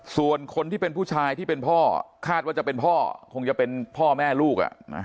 ส่วนคนที่เป็นผู้ชายที่เป็นพ่อคาดว่าจะเป็นพ่อคงจะเป็นพ่อแม่ลูก